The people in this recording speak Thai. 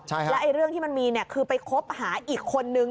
แล้วเรื่องที่มันมีเนี่ยคือไปคบหาอีกคนนึง